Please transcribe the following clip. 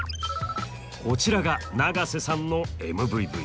こちらが永瀬さんのＭＶＶ。